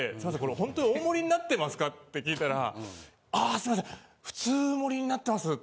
本当に大盛りになってますか？」って聞いたら「ああすいません」。ってなって。